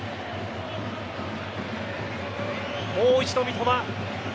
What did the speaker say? もう一度三笘。